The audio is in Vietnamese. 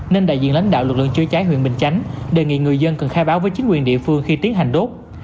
nên đại diện lãnh đạo lực lượng chữa cháy huyện bình chánh đề nghị người dân cần khai báo với chính quyền địa phương khi tiến hành đốt